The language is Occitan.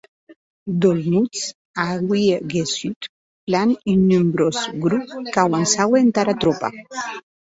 D’Olmutz, auie gessut, plan, un nombrós grop qu’auançaue entara tropa.